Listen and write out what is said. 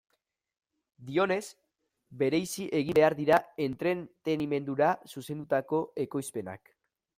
Dioenez, bereizi egin behar dira entretenimendura zuzendutako ekoizpenak.